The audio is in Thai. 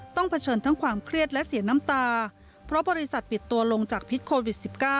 เผชิญทั้งความเครียดและเสียน้ำตาเพราะบริษัทปิดตัวลงจากพิษโควิด๑๙